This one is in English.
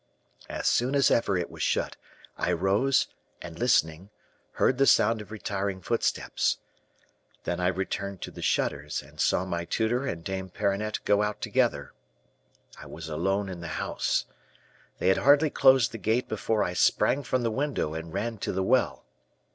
As soon as ever it was shut, I rose, and, listening, heard the sound of retiring footsteps. Then I returned to the shutters, and saw my tutor and Dame Perronnette go out together. I was alone in the house. They had hardly closed the gate before I sprang from the window and ran to the well.